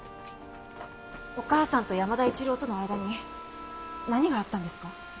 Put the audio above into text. お母さんと山田一郎との間に何があったんですか？